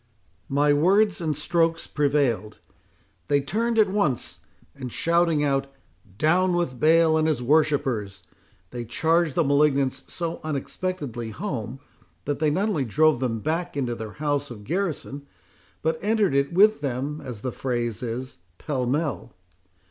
My words and strokes prevailed; they turned at once, and shouting out, Down with Baal and his worshippers! they charged the malignants so unexpectedly home, that they not only drove them back into their house of garrison, but entered it with them, as the phrase is, pell mell.